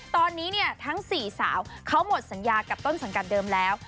ตอนนี้เนี่ยทั้ง๔สาวเขาหมดสัญญากับต้นสังกัดเดิมแล้ว